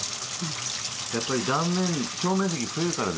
やっぱり断面表面積増えるからですかね？